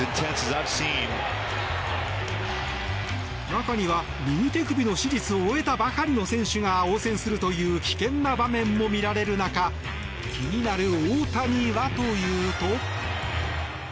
中には、右手首の手術を終えたばかりの選手が応戦するという危険な場面も見られる中気になる大谷はというと。